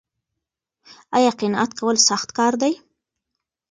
ایا قناعت کول سخت کار دی؟